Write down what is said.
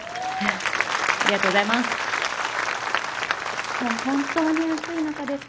ありがとうございます。